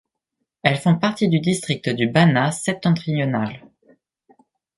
Elles font partie du district du Banat septentrional.